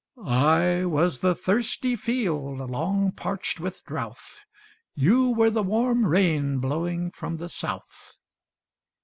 I was the thirsty field, long parched with drouth, You were the warm rain blowing from the South.